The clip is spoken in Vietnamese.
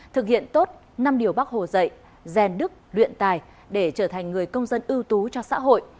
thực hiện tốt năm điều bác hồ dạy dèn đức luyện tài để trở thành người công dân ưu tú cho xã hội